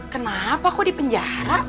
kenapa kok dipenjara